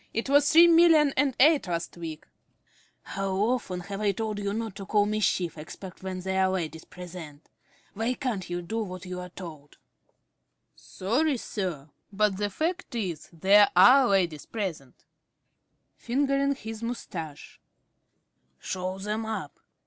It was three million and eight last week. ~Smith~ (testily). How often have I told you not to call me "chief," except when there are ladies present? Why can't you do what you're told? ~Jones.~ Sorry, sir, but the fact is there are ladies present. ~Smith~ (fingering his moustache). Show them up.